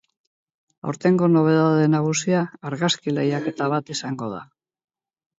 Aurtengo nobedade nagusia argazki lehiaketa bat izango da.